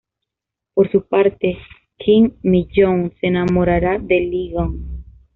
Por su parte, Kim Mi-young se enamorará de Lee Gun.